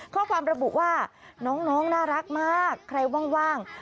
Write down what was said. ข้อความระบุว่าน้องน่ารักมากใครว่าง